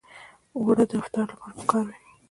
اوړه د افطار لپاره پکار وي